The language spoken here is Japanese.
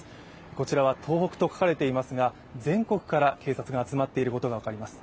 こちらは東北と書かれていますが全国から警察が集まっていることが分かります。